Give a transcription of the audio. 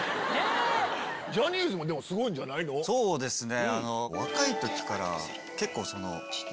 そうですね。